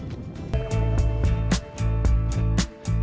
setelah selesai barang yang dijemput